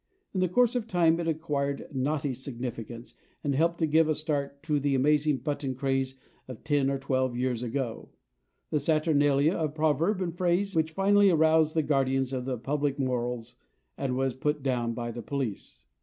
In the course of time it acquired a naughty significance, and helped to give a start to the amazing button craze of ten or twelve years ago a saturnalia of proverb and phrase making which finally aroused the guardians of the public morals and was put down by the police.